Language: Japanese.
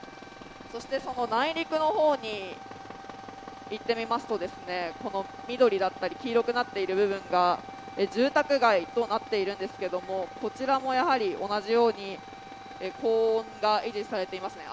内陸の方にいってみますと緑だったり黄色くなっている部分が住宅街となっているんですけど、こちらも同じように高温が維持されていますね。